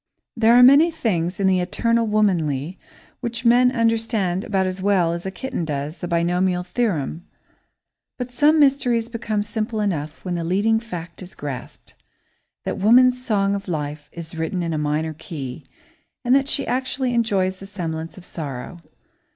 There are many things in the "eternal womanly" which men understand about as well as a kitten does the binomial theorem, but some mysteries become simple enough when the leading fact is grasped that woman's song of life is written in a minor key and that she actually enjoys the semblance of sorrow.